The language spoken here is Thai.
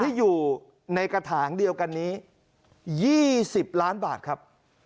ที่อยู่ในกระถางเดียวกันนี้๒๐ล้านบาทครับ